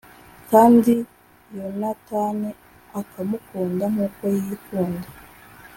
kandi Yonatani akamukunda nk’uko yikunda